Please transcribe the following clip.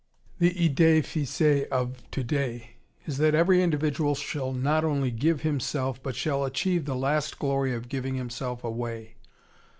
The idee fixe of today is that every individual shall not only give himself, but shall achieve the last glory of giving himself away.